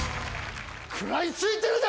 食らいついてるぜ！